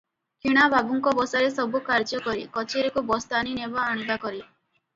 କିଣା ବାବୁଙ୍କ ବସାରେ ସବୁ କାର୍ଯ୍ୟ କରେ, କଚେରିକୁ ବସ୍ତାନି ନେବା ଆଣିବା କରେ ।